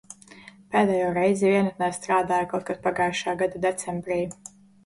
Pēdējo reizi vienatnē strādāju kaut kad pagājušā gada decembrī.